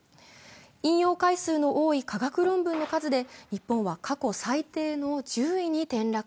引用回数の多い科学論文の数で日本は過去最低の１０位に転落。